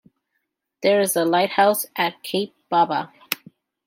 There is a lighthouse at Cape Baba.